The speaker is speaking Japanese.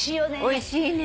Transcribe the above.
おいしいね。